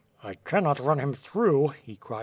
"I cannot run him through," he cried.